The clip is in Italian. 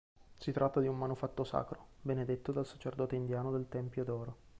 Si tratta di un manufatto sacro, benedetto dal sacerdote indiano del Tempio d'oro.